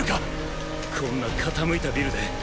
こんな傾いたビルで。